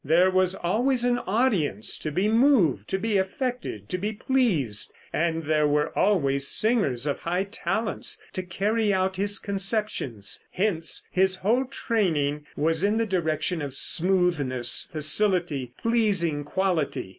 There was always an audience to be moved, to be affected, to be pleased, and there were always singers of high talents to carry out his conceptions. Hence his whole training was in the direction of smoothness, facility, pleasing quality.